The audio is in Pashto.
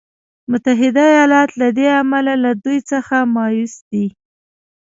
متحده ایالات له دې امله له دوی څخه مایوس دی.